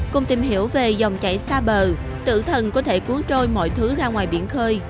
cùng tìm hiểu về dòng chảy xa bờ tử thần có thể cuốn trôi mọi thứ ra ngoài biển khơi